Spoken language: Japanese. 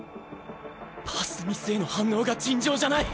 パスミスへの反応が尋常じゃない。